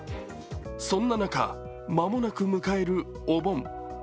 そんな中、間もなく迎えるお盆。